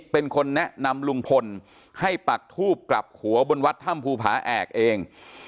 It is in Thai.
เป็นคนแนะนำลุงพลให้ปักทูบกลับหัวบนวัดถ้ำภูผาแอกเอง